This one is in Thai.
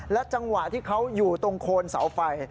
จังหวะที่เขาอยู่ตรงโคนเสาไฟ